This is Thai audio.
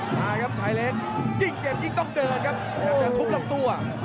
มาครับชายเล็กยิ่งเจ็บยิ่งต้องเดินครับโอ้จะทุกข์ลองตัว